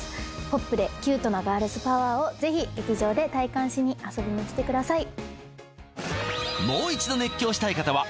ポップでキュートなガールズパワーをぜひ劇場で体感しに遊びに来てください